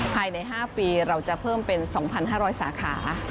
ภายใน๕ปีเราจะเพิ่มเป็น๒๕๐๐สาขา